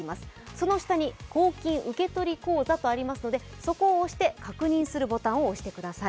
その下に「公金受取口座」とありますのでそこを押して確認するボタンを押してください。